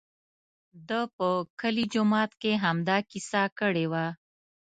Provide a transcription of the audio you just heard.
ده په کلي جومات کې همدا کیسه کړې وه.